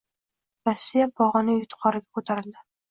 Rossiya pog'ona yuqoriga ko'tarildi